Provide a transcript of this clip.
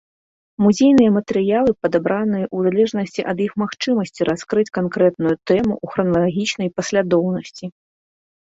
Музейныя матэрыялы падабраны ў залежнасці ад іх магчымасці раскрыць канкрэтную тэму ў храналагічнай паслядоўнасці.